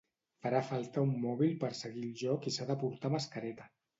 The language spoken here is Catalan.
Farà falta un mòbil per seguir el joc i s’ha de portar mascareta.